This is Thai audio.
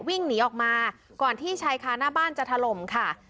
วิ่งหนีออกมาก่อนที่ชายคาหน้าบ้านจะถล่มค่ะ